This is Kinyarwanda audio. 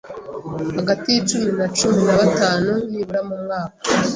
hagati y’icumi na cumi na batanu nibura mu mwaka.